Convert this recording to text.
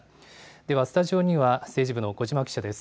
ではスタジオには、政治部の小嶋記者です。